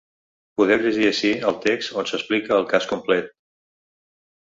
Podeu llegir ací el text on s’explica el cas complet.